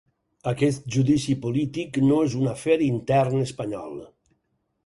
Aquest judici polític no és un afer intern espanyol.